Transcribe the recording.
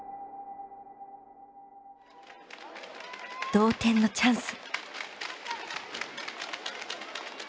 同点のチャンス。